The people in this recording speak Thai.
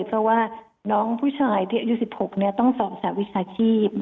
เพราะว่าน้องผู้ชายที่อายุ๑๖ต้องสอนสหวิชาชีพ